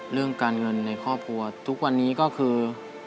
เรื่องการเงินในครอบครัวทุกวันนี้ก็คือ